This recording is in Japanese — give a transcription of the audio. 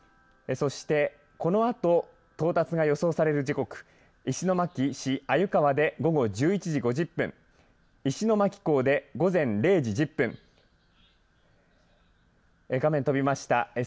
そしてこのあと到達が予想される時刻石巻市鮎川で午後１１時５０分石巻港で午前０時１０分画面飛びました。